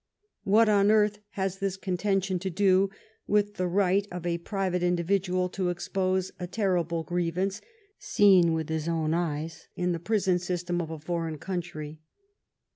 What on earth has this contention to do with the right of a private individual to expose a terrible griev ance seen with his own eyes in the prison system of a foreign country